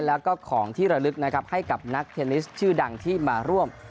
แล้วก็ของที่ระลึกนะครับให้กับนักเทนนิสชื่อดังที่มาร่วม